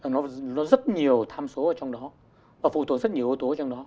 nó rất nhiều tham số ở trong đó và phụ thuộc rất nhiều ưu tố trong đó